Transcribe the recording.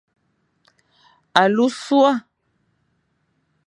Alu ôsua.